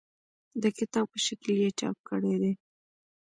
د کتاب په شکل یې چاپ کړي دي.